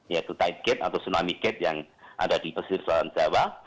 yaitu tide gate atau tsunami gate yang ada di pesisir selatan jawa